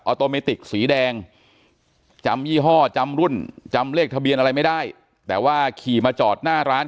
โตเมติกสีแดงจำยี่ห้อจำรุ่นจำเลขทะเบียนอะไรไม่ได้แต่ว่าขี่มาจอดหน้าร้าน